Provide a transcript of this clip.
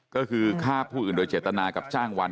ก็คือฆ่าผู้อื่นโดยเจตนากับจ้างวัน